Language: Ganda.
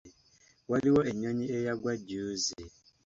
Waliwo ennyonyi eyagwa jjuuzi.